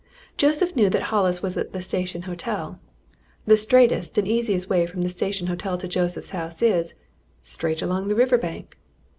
Joseph knew that Hollis was at the Station Hotel. The straightest and easiest way from the Station Hotel to Joseph's house is straight along the river bank.